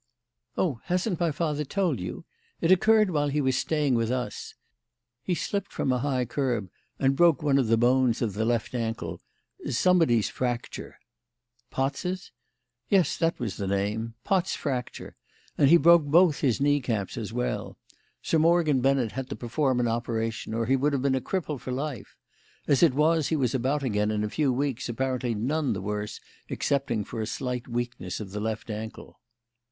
"Oh, hasn't my father told you? It occurred while he was staying with us. He slipped from a high kerb and broke one of the bones of the left ankle somebody's fracture " "Pott's?" "Yes, that was the name Pott's fracture; and he broke both his knee caps as well. Sir Morgan Bennet had to perform an operation, or he would have been a cripple for life. As it was, he was about again in a few weeks, apparently none the worse excepting for a slight weakness of the left ankle."